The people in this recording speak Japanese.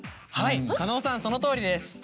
はい狩野さんそのとおりです！